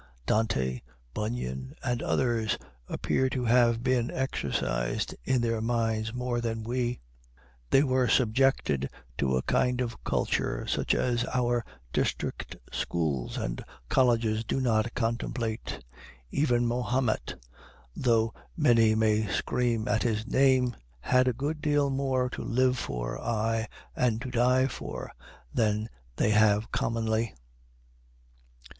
Dante, Bunyan, and others, appear to have been exercised in their minds more than we: they were subjected to a kind of culture such as our district schools and colleges do not contemplate. Even Mahomet, though many may scream at his name, had a good deal more to live for, ay, and to die for, than they have commonly.